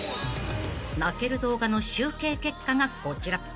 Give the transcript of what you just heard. ［泣ける動画の集計結果がこちら］